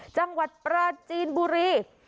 จังหวัดปราจีนบุรี